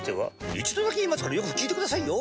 一度だけ言いますからよく聞いてくださいよ。